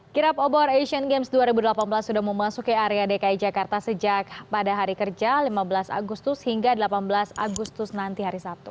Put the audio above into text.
kirap obor asian games dua ribu delapan belas sudah memasuki area dki jakarta sejak pada hari kerja lima belas agustus hingga delapan belas agustus nanti hari sabtu